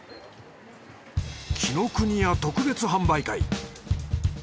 紀ノ国屋特別販売会